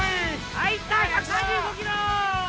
はいいった１３５キロ！